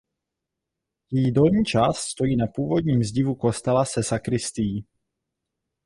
Její dolní část stojí na původním zdivu kostela se sakristií.